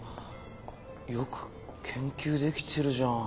よく研究できてるじゃん。